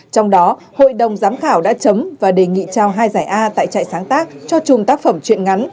trong đó hội đồng giám khảo đã chấm và đề nghị trao hai giải a tại trại sáng tác cho chùm tác phẩm chuyện ngắn